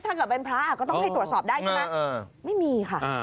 ถ้าเกิดเป็นพระก็ต้องให้ตรวจสอบได้ใช่ไหมไม่มีค่ะ